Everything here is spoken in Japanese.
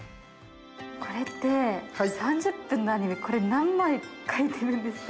これって３０分のアニメこれ何枚描いてるんですか？